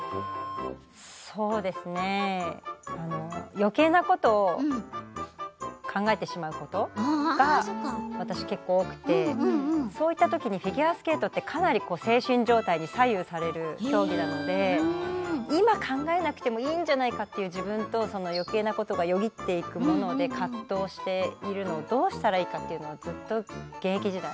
よけいなことを考えてしまうことが私は結構多くてそういったときにフィギュアスケートってかなり精神状態で左右される競技なので今考えなくてもいいんじゃないかという自分とよけいなことがよぎっていくもので、葛藤しているのをどうしたらいいかっていうのはずっと現役時代